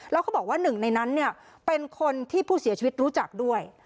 แล้วเขาบอกว่าหนึ่งในนั้นเป็นคนที่ผู้เสียชีวิตรู้จักด้วย